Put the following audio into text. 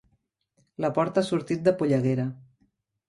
La porta ha sortit de polleguera.